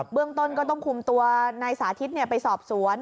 เรื่องต้นก็ต้องคุมตัวนายสาธิตไปสอบสวน